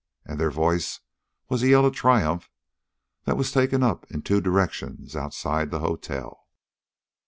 And their voice was a yell of triumph that was taken up in two directions outside the hotel.